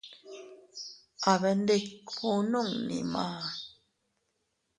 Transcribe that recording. Abendikuu nunni maá.